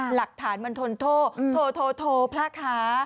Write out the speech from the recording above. หลักฐานมันทนโทโทโทโทพระคา